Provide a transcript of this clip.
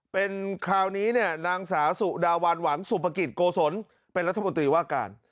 เป็นคราวนี้เนี่ยนางสาวสุดาวันหวังสุภกิจโกศลเป็นรัฐมนตรีว่าการ